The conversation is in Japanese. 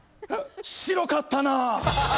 白かったなぁ。